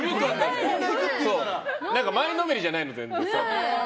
前のめりじゃないの、全然。